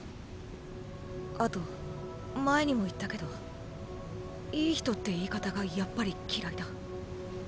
あと前にも言ったけど良い人って言い方がやっぱり嫌いだ。